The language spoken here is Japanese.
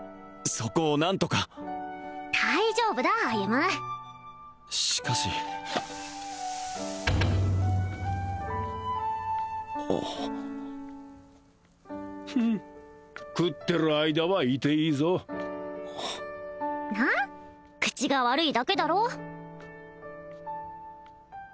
そこを何とか大丈夫だ歩しかしあフン食ってる間はいていいぞなっ口が悪いだけだろ？